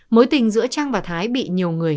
mối tình giữa trang và thái bị nhiều người